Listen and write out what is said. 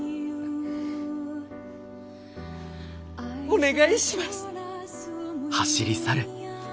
お願いします。